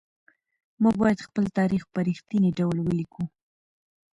موږ بايد خپل تاريخ په رښتيني ډول ولېکو.